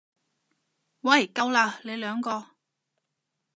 喂夠喇，你兩個！